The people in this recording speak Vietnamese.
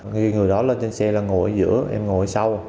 ngay khi người đó lên trên xe là ngồi ở giữa em ngồi ở sau